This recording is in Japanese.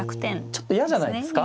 ちょっと嫌じゃないですか。